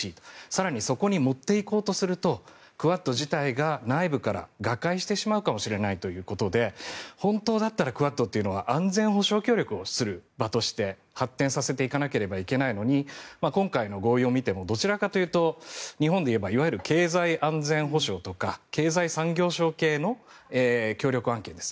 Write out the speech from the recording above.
更にそこに持っていこうとするとクアッド自体が内部から瓦解してしまうかもしれないということで本当だったらクアッドというのは安全保障協力をする場として発展させていかなければいけないのに今回の合意を見てもどちらかというと日本では経済安全保障とか経済産業省系の協力案件